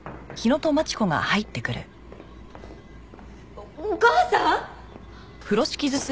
おお母さん！？